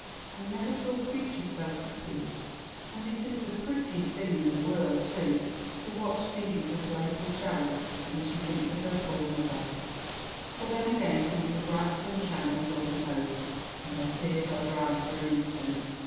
I never saw creatures so happy. And it is the preltiest thing in the world, too, to walch Phebe's Utile April showers when she Ihiuks^of her poor mother; for then again comes thu bright sunshine of love and hope, and her (ears are dried in an inslant.